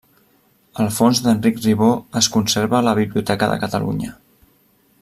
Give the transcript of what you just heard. El fons d'Enric Ribó es conserva a la Biblioteca de Catalunya.